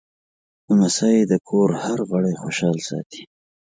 لمسی د کور هر غړی خوشحال ساتي.